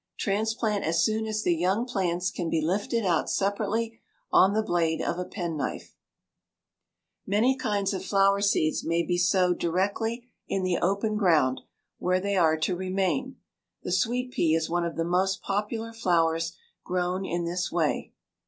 Transplant as soon as the young plants can be lifted out separately on the blade of a penknife. [Illustration: FIG. 102. THE POET'S NARCISSUS] Many kinds of flower seeds may be sowed directly in the open ground where they are to remain. The sweet pea is one of the most popular flowers grown in this way.